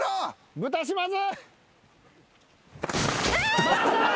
豚島津！